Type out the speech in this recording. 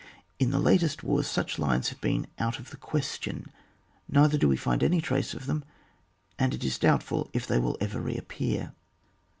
In the latest wars such Hues have been out of the question, neither do we find any trace of them ; and it is doubtful if they will ever re appear.